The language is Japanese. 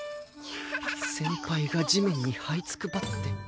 先輩が地面にはいつくばって